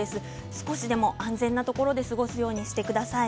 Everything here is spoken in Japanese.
少しでも安全なところで過ごすようにしてください。